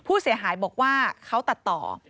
ผู้เสียหายบอกว่าเขาตัดต่อ